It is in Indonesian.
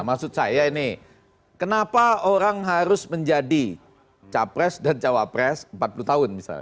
maksud saya ini kenapa orang harus menjadi capres dan cawapres empat puluh tahun misalnya